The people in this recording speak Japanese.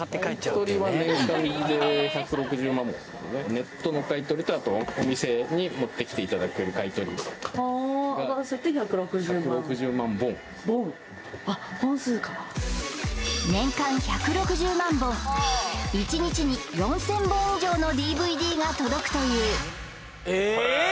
ネットの買い取りとあとお店に持ってきていただける買い取りはあ合わせて１６０万本１６０万本あっ本数か年間１６０万本１日に４０００本以上のＤＶＤが届くというええっ！？